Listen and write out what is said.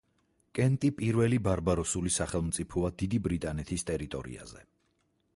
კენტი პირველი ბარბაროსული სახელმწიფოა დიდი ბრიტანეთის ტერიტორიაზე.